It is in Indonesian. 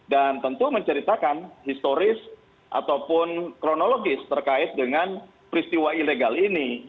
dan tentu menceritakan historis ataupun kronologis terkait dengan peristiwa ilegal ini